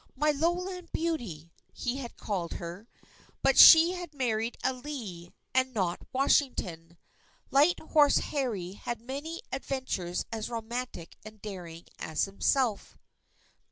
"My lowland beauty," he had called her. But she had married a Lee, and not Washington. Light Horse Harry had many adventures as romantic and daring as himself.